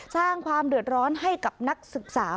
สร้างความเดือดร้อนให้กับนักศึกษา